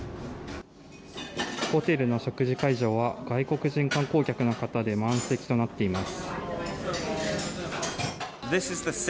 ホテルの食事会場は外国人観光客の方で満席となっています。